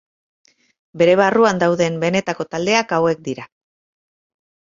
Bere barruan dauden benetako taldeak hauek dira.